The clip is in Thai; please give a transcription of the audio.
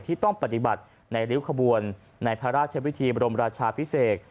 ที่ต้องปฏิบัติในริ้วขบวนในพระราชวิธีบรมราชาพิเศษ